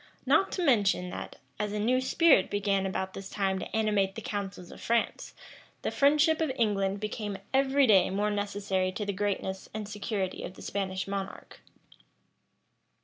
Not to mention that, as a new spirit began about this time to animate the councils of France, the friendship of England became every day more necessary to the greatness and security of the Spanish monarch.